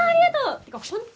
っていうか本当